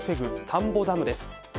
田んぼダムです。